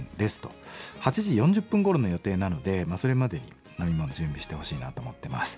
８時４０分ごろの予定なのでそれまでに飲み物準備してほしいなと思ってます。